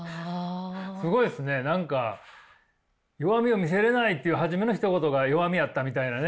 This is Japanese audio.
すごいっすね何か弱みを見せれないっていう初めのひと言が弱みやったみたいなね。